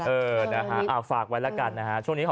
เออนะคะอ้าวฝากไวล่ะกันนะฮะ